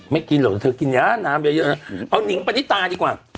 ไม่กินหรอกเธอกินย้านน้ำเยอะเอานิํกพะนี่ตาดีกว่า